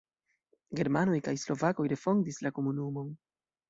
Germanoj kaj slovakoj refondis la komunumon.